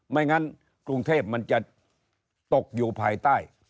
ไม่งั้นกรุงเทพมันจะตกอยู่ภายใต้